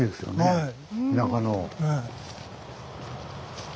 はい。